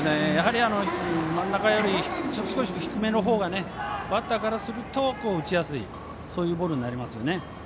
真ん中より少し低めのほうがバッターからすると打ちやすいボールになります。